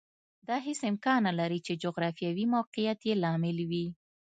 دا هېڅ امکان نه لري چې جغرافیوي موقعیت یې لامل وي